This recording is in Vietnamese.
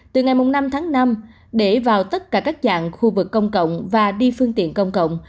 từ ngày năm tháng năm để vào tất cả các dạng khu vực công cộng và đi phương tiện công cộng